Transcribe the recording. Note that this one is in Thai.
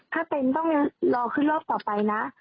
ถ้าเป็นต้องรอขึ้นรอบต่อไปนะ